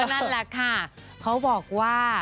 นั่นแหละค่ะเขาบอกว่า